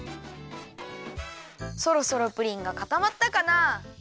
そろそろプリンがかたまったかな。